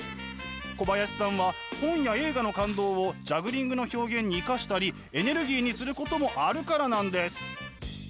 小林さんは本や映画の感動をジャグリングの表現に生かしたりエネルギーにすることもあるからなんです。